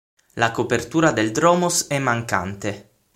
La copertura del dromos è mancante.